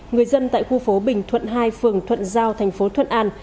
người dân tại khu phố bình thuận hai phường thuận giao thành phố thuận an